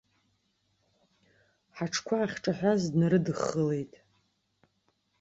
Ҳаҽқәа ахьҿаҳәаз днарыдыххылеит.